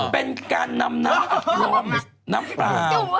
เป็นการนำน้ำอักรอมน้ำปลา